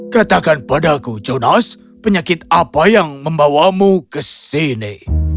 katakan padaku jonas penyakit apa yang membawamu ke sini